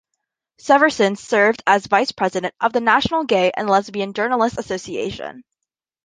Severson served as vice-president of the National Gay and Lesbian Journalists Association.